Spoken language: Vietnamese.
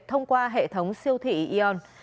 thông qua hệ thống siêu thị e on